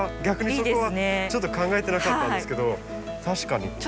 逆にそこはちょっと考えてなかったんですけど確かに。